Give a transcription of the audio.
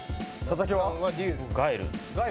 佐々木は？